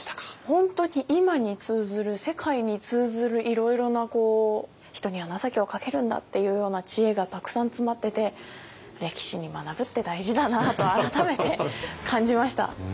本当に今に通ずる世界に通ずるいろいろなこう人には情けをかけるんだっていうような知恵がたくさん詰まっててと改めて感じました。